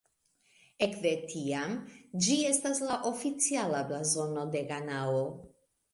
Ekde tiam ĝi estas la oficiala blazono de Ganao.